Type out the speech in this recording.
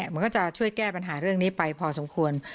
มันก็จะช่วยแก้ปัญหาเรื่องนี้ไปพอสมควร